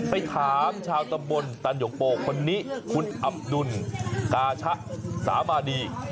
ไปถามชาวตำบลตันหยงโปคนนี้คุณอับดุลกาชะสามาดี